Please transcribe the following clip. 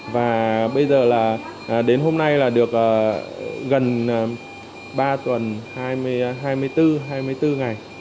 và bây giờ là đến hôm nay là được gần ba tuần hai mươi bốn ngày